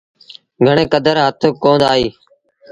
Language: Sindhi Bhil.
گھڻي ڪدر هٿ ڪوندآ ّئيٚن۔